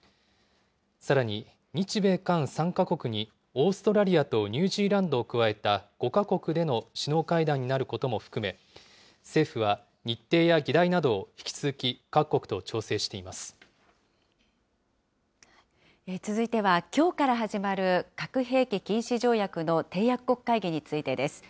さらに、日米韓３か国にオーストラリアとニュージーランドを加えた５か国での首脳会談になることも含め、政府は日程や議題などを引き続き続いては、きょうから始まる核兵器禁止条約の締約国会議についてです。